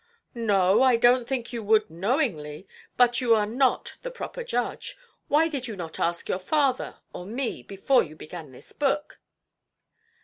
"No, I donʼt think you would, knowingly. But you are not the proper judge. Why did you not ask your father or me, before you began this book"?